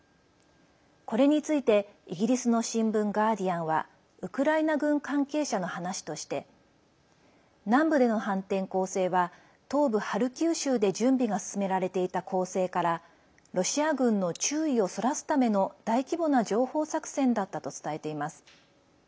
これについてイギリスの新聞ガーディアンはウクライナ軍関係者の話として南部での反転攻勢は東部ハルキウ州で準備が進められていた攻勢からロシア軍の注意をそらすための大規模な情報作戦だったと伝えています。